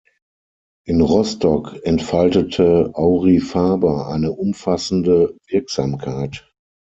In Rostock entfaltete Aurifaber eine umfassende Wirksamkeit.